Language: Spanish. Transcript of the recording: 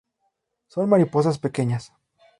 Son mariposas pequeñas.